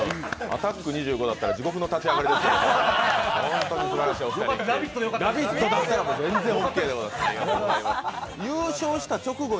「アタック２５」のような地獄の立ち上がりでしたが。